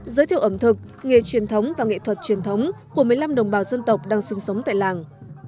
giới thiệu ẩm thực nghề truyền thống và nghệ thuật truyền thống của một mươi năm đồng bào dân tộc đang sinh sống tại làng